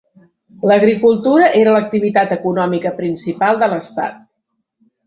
L'agricultura era l'activitat econòmica principal de l'estat.